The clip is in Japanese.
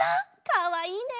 かわいいね。